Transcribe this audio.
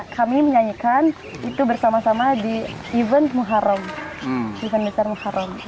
kami menyanyikan itu bersama sama di event muharram event besar muharram